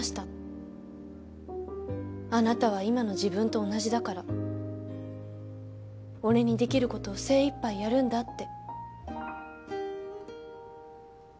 あなたは今の自分と同じだから俺にできる事を精いっぱいやるんだって。